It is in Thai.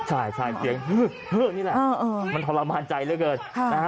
ใช่ใช่เสียงนี่แหละอ่ามันทรมานใจแล้วเกินค่ะนะฮะ